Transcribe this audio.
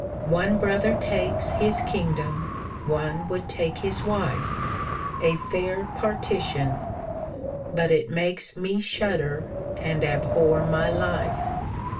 one brother takes His kingdom, one would take his wife! A fair partition! But it makes Me shudder, and abhor my life.